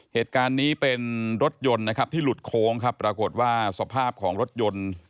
เหตุการณ์นี้เป็นรถยนต์นะครับที่หลุดโค้งครับปรากฏว่าสภาพของรถยนต์